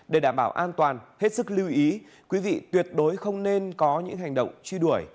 để đảm bảo an toàn hết sức lưu ý quý vị tuyệt đối không nên có những hành động truy đuổi